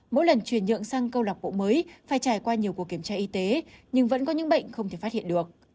mỗi lần chuyển nhượng sang câu lạc bộ mới phải trải qua nhiều cuộc kiểm tra y tế nhưng vẫn có những bệnh không thể phát hiện được